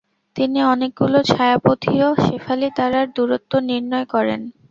তিনি অনেকগুলো ছায়াপথীয় শেফালী তারার দূরত্ব নির্ণয় করেন।